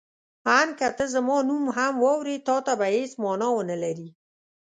آن که ته زما نوم هم واورې تا ته به هېڅ مانا ونه لري.